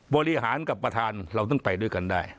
บริหารกับประธานเราต้องไปด้วยกันได้